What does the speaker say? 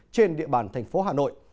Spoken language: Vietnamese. trên địa bàn tp hà nội